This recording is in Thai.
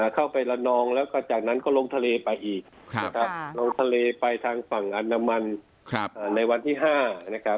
เข้าไประนองแล้วก็จากนั้นก็ลงทะเลไปอีกลงทะเลไปทางฝั่งอนามันในวันที่๕